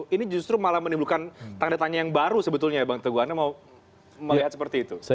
ini justru malah menimbulkan tanda tanya yang baru sebetulnya ya bang teguh anda mau melihat seperti itu